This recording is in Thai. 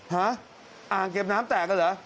ห้าอ่างเก็บน้ำแตกอ่ะเหรอ